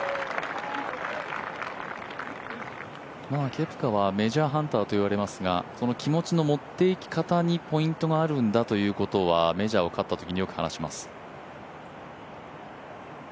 ケプカはメジャーハンターと言われますが、その気持ちの持っていき方にポイントがあるんだということはメジャーを勝ったときによく話します。